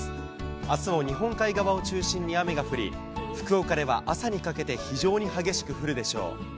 あすも日本海側を中心に雨が降り、福岡では朝にかけて非常に激しく降るでしょう。